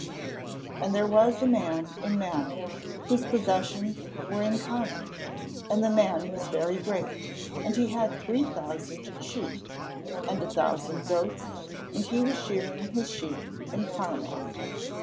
[Verse: "And there was a man in Maon, whose possessions were in Carmel; and the man was very great, and he had three thousand sheep, and a thousand goats: and he was shearing his sheep in Carmel."